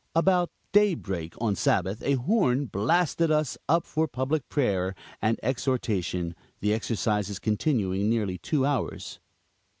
About day break on Sabbath a horn blasted us up for public prayer and exhortation, the exercises continuing nearly two hours.